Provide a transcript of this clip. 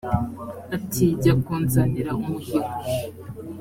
ati jya kunzanira umuhigo